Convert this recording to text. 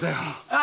あ